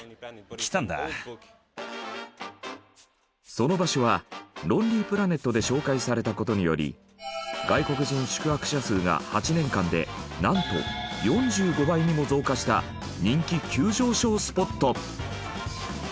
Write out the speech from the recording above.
その場所は『ロンリープラネット』で紹介された事により外国人宿泊者数が８年間でなんと４５倍にも増加した人気急上昇スポット。